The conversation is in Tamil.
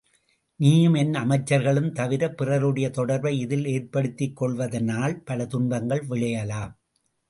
நீயும் என் அமைச்சர்களும் தவிரப் பிறருடைய தொடர்பை இதில் ஏற்படுத்திக் கொள்வதனால் பல துன்பங்கள் விளையலாம்.